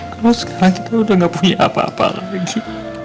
kalau sekarang kita udah gak punya apa apa lagi